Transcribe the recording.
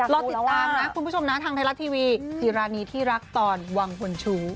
รอติดตามนะคุณผู้ชมนะทางไทยรัฐทีวีธีรานีที่รักตอนวังคนชู้